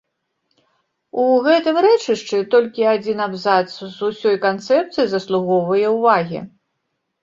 У гэтым рэчышчы толькі адзін абзац з усёй канцэпцыі заслугоўвае ўвагі.